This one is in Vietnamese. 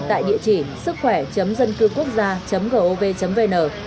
tại địa chỉ sứckhoẻ dâncưquốcgia gov vn